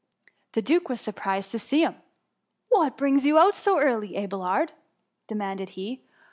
The duke was surprised to see him.— What brings you out so early, Abelard f^ demanded he.